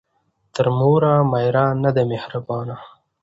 ـ تر موره مېره ،نه ده مهربانه.